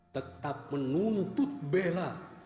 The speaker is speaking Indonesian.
tetap menuntut bela